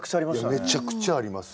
めちゃくちゃありますよ。